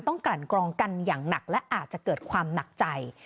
กลั่นกรองกันอย่างหนักและอาจจะเกิดความหนักใจ